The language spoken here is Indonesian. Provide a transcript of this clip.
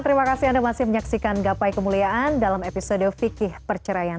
terima kasih anda masih menyaksikan gapai kemuliaan dalam episode fikih perceraian